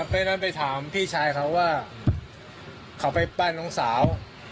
ไปนั้นไปถามพี่ชายเขาว่าเขาไปปั้นน้องสาว